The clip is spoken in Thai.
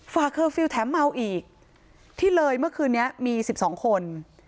เคอร์ฟิลล์แถมเมาอีกที่เลยเมื่อคืนนี้มี๑๒คน